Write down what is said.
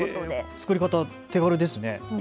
作り方、手軽ですね。